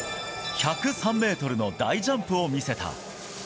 １０３メートルの大ジャンプを見せた。